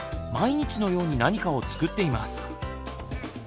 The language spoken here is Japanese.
毎日のように何かを作っています。